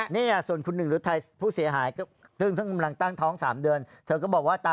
ได้รับคำตอบว่า